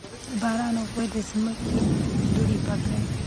د باران اوبه د ځمکې دوړې پاکوي.